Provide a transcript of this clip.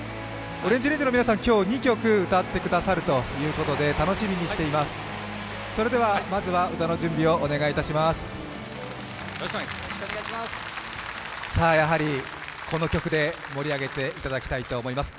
ＯＲＡＮＧＥＲＡＮＧＥの皆さん、今日は２曲歌ってくださるということで楽しみにしています。